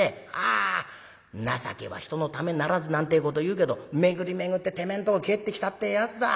あ『情けは人のためならず』なんてえこというけど巡り巡っててめえんとこ返ってきたってえやつだ。